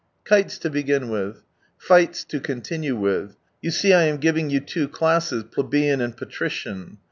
Kites to begin with. Fights to continue with. You see I am giving you two classes, plebeian and patrician.